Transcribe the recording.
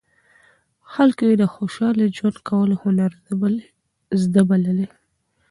خلک یې د خوشاله ژوند کولو هنر زده بللی.